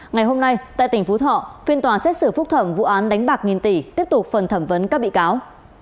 ngày hôm nay tại tỉnh phú thọ phiên tòa xét xử phúc thẩm vụ án đánh bạc nghìn tỷ tiếp tục phần thẩm vấn các bị cáo